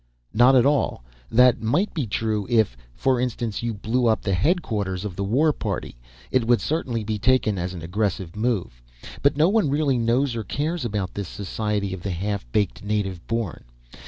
"Not at all. That might be true if, for instance, you blew up the headquarters of the War Party. It would certainly be taken as an aggressive move. But no one really knows or cares about this Society of the Half baked Native Born.